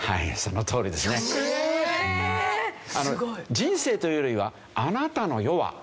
人生というよりはあなたの世は。